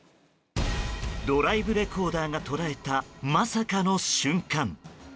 ドライブレコーダーが捉えたまさかの瞬間。